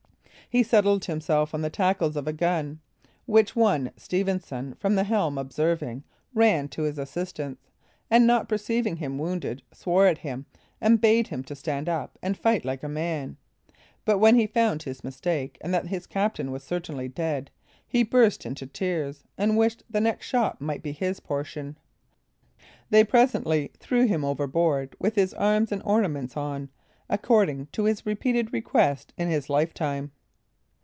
He settled himself on the tackles of a gun; which one Stephenson, from the helm, observing, ran to his assistance, and not perceiving him wounded, swore at him, and bade him stand up and fight like a man; but when he found his mistake, and that his captain was certainly dead, he burst into tears, and wished the next shot might be his portion. They presently threw him overboard, with his arms and ornaments on, according to his repeated request in his life time.